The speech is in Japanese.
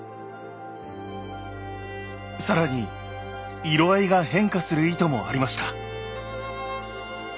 さらに色合いが変化する糸もありました。